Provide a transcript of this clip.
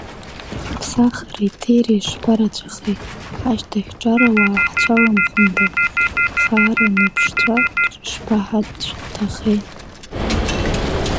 Ԥсахреи ҭиреи шԥарацәахеи, ҳашьҭахь ҿаруаа ҳцәаламхәында, хаара наԥшцәа шԥаҳацәҭахеи.